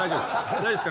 大丈夫ですか？